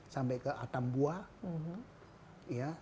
sampai ke atambua